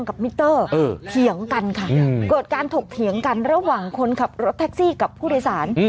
มิเตอร์เถียงกันค่ะเกิดการถกเถียงกันระหว่างคนขับรถแท็กซี่กับผู้โดยสาร